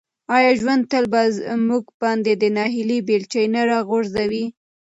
آیا ژوند تل په موږ باندې د ناهیلۍ بیلچې نه راغورځوي؟